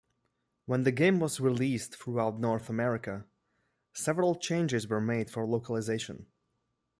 When the game was released throughout North America, several changes were made for localization.